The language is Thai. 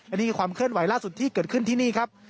อันนี้คือความเคลื่อนไหวล่าสุดที่เกิดขึ้นที่นี่ครับ